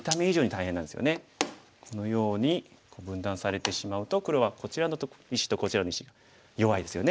このように分断されてしまうと黒はこちらの石とこちらの石弱いですよね。